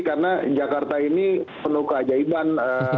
karena jakarta ini penuh keajaiban